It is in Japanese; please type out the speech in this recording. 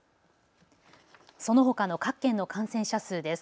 そのほかの各県の感染者数です。